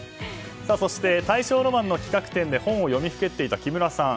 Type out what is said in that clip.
そして大正ロマンの企画展で本を読みふけていった木村さん。